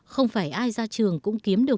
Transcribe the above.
không phải ai ra trường cũng kiếm được